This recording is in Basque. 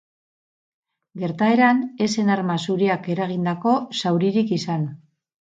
Gertaeran, ez zen arma zuriak eragindako zauririk izan.